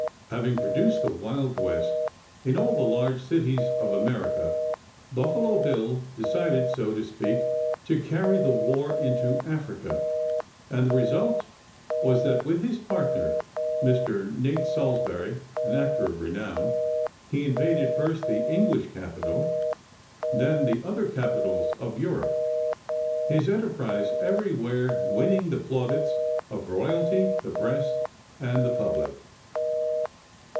Having produced the Wild West in all the large cities of America, Buffalo Bill decided, so to speak, to "carry the war into Africa," and the result was that with his partner, Mr. Nate Salisbury, an actor of renown, he invaded first the English capital, then the other capitals of Europe, his enterprise everywhere winning the plaudits of royalty, the press, and the public.